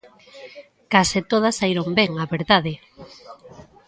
Case todas saíron ben, a verdade.